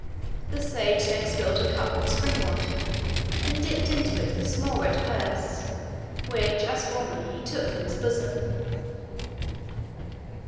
The sage next filled a cup with spring water, and dipped into it the small red purse, which, as formerly, he took from his bosom.